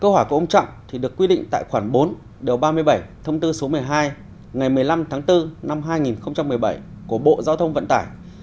câu hỏi của ông trọng được quy định tại khoảng bốn ba mươi bảy một mươi hai một mươi năm bốn hai nghìn một mươi bảy của bộ giao thông vận tải